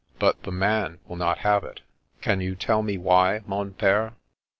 But the man will not have it. Can you tell me why, mon pire?